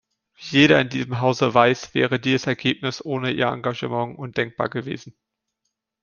Wie jeder in diesem Hause weiß, wäre dieses Ergebnis ohne Ihr Engagement undenkbar gewesen.